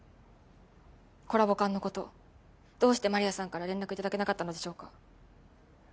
コラボ缶の事どうして丸谷さんから連絡頂けなかったのでしょうか？